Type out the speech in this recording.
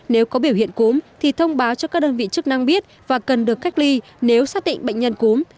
nếu có biểu hiện cúm thì thông báo cho các đơn vị chức năng biết và cần được cách ly nếu xác định bệnh nhân cúm